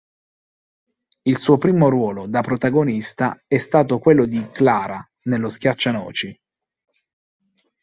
Il suo primo ruolo da protagonista è stato quello di Clara nello "Schiaccianoci".